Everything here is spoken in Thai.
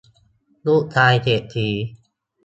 ลูกชายเศรษฐี